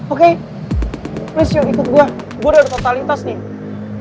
oke please yuk ikut gua gua udah totalitas nih